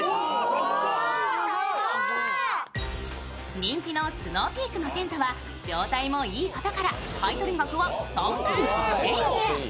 人気のスノーピークのテントは状態もいいことから、買取額は３万５０００円。